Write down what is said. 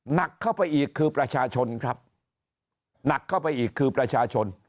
หนักเข้าไปอีกคือประชาชนครับหนักเข้าไปอีกคือประชาชน